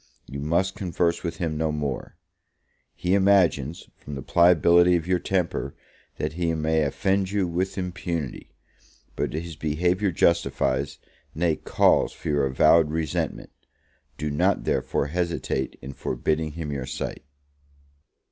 You must converse with him no more: he imagines, from the pliability of your temper, that he may offend you with impunity; but his behaviour justifies, nay, calls for your avowed resentment; do not, therefore, hesitate in forbidding him your sight.